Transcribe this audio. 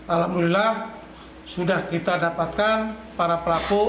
alhamdulillah sudah kita dapatkan para pelaku